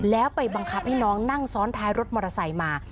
แล้วไปบังคับให้น้องนั่งซ้อนท้ายรถมอเตอร์ไซค์มา